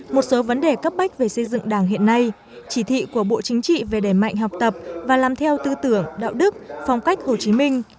một số vấn đề cấp bách về xây dựng đảng hiện nay chỉ thị của bộ chính trị về đẩy mạnh học tập và làm theo tư tưởng đạo đức phong cách hồ chí minh